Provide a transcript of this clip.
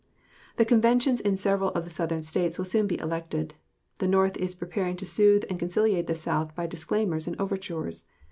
The conventions in several of the Southern States will soon be elected. The North is preparing to soothe and conciliate the South by disclaimers and overtures.